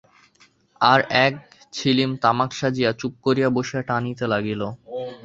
আর এক ছিলিম তামাক সাজিয়া চুপ করিয়া বসিয়া টানিতে লাগিল।